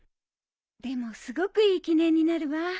でもすごくいい記念になるわ。